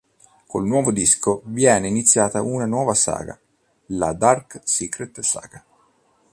Con il nuovo disco, viene iniziata una nuova saga: la "Dark Secret Saga".